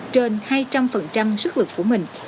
trên hai trăm linh sức lực của mình